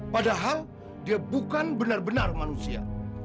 padahal dia bukan benar benar manusia